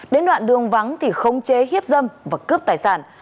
đến đoạn đường vắng thì khống chế hiếp dâm và cướp tài sản